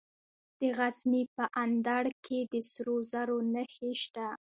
د غزني په اندړ کې د سرو زرو نښې شته.